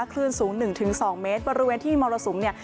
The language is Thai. คลื่นสูงหนึ่งถึงสองเมตรบริเวณที่มรสุมเนี่ย